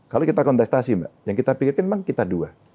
kalau kita kontestasi mbak yang kita pikirkan memang kita dua